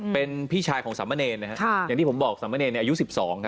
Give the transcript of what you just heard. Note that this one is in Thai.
เป็นพี่ชายของสำเนรนะฮะค่ะอย่างที่ผมบอกสำเนรเนี่ยอายุสิบสองครับ